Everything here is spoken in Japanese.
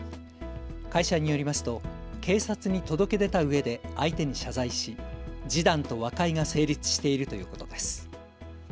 会社によりますと警察に届け出たうえで相手に謝罪し示談と和解が成立しているということです。